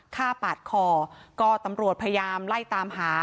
ฆ่าปาดคอก็ตำรวจพยายามไล่ตามหา